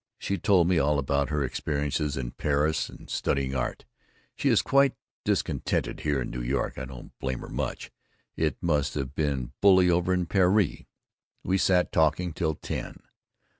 She told me all about her experiences in Paris and studying art. She is quite discontented here in N. Y. I don't blame her much, it must have been bully over in Paree. We sat talking till ten.